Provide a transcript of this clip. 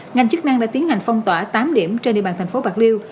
ngành chức năng đã tiến hành phong tỏa tám điểm trên địa bàn thành phố bạc liêu